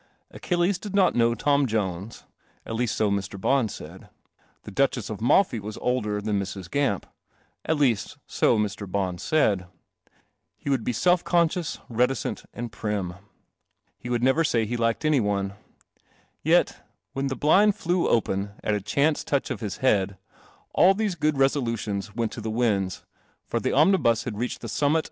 Achilles did not know Tom Jones — at least, so Mr. Bons said. The Duchess of Malfi was older than Mrs. Gamp — at least, so Mr. Bons said. He would be self conscious, reticent, and prim. He would never say he liked any one. Yet, 78 Ill: CELEST1 M, OMNIBUS when the hlnul flew up at .1 chailCC touch his head, all tl ilutions went*to the winds, for the omnibus had reached the summit •